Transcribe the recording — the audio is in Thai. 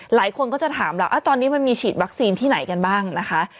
หลายคนก็จะถามเราตอนนี้มันมีฉีดวัคซีนที่ไหนกันบ้างนะคะ